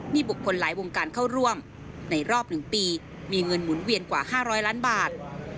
มีบุคคลหลายวงการเข้าร่วมในรอบ๑ปีมีเงินหมุนเวียนกว่า๕๐๐ล้านบาท